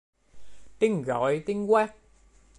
Tiếng Gọi tiếng quát